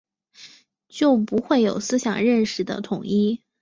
就不会有思想认识的统一